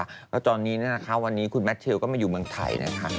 แล้วตอนนี้วันนี้คุณแมทเทลก็มาอยู่เมืองไทยนะคะ